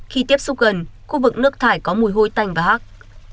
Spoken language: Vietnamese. khi tiếp xúc gần khu vực nước thải có mùi hôi tành và hát